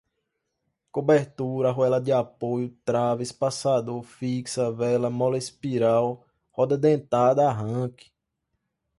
cobertura, arruela de apoio, trava, espaçador, fixa, vela, mola espiral, roda dentada, arranque